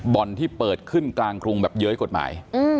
ที่เปิดขึ้นกลางกรุงแบบเย้ยกฎหมาย